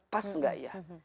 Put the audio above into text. pas gak ya